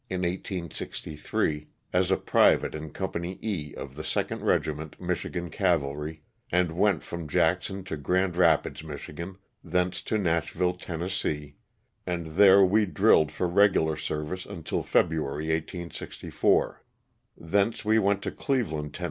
in 1863, as a private in Company E of the 2nd Regiment Michigan Cavalry, and went from Jackson to Grand Rapids, Mich., thence to Nashville, Tenn., and there we drilled for regular service until February, 1864. Thence we went to Cleveland, Tenn.